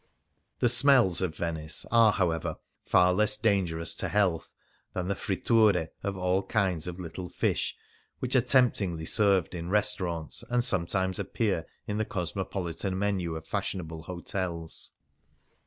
The " smells of Venice " are, however, far less dangerous to health than the fritture of all kinds of little fish which are temptingly served in restaurants, and sometimes appear in the cosmopolitan menu of fashionable hotels.